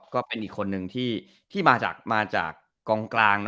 ก็เป็นอีกคนนึงที่มาจากกองกลาง